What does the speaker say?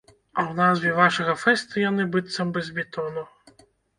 А ў назве вашага фэсту яны, быццам бы з бетону.